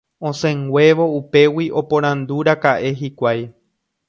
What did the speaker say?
Osẽnguévo upégui oporandúraka'e hikuái